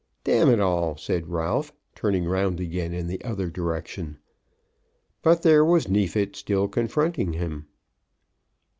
"Damn it all!" said Ralph, turning round again in the other direction. But there was Neefit still confronting him.